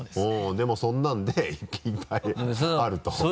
でもそんなのでいっぱいあると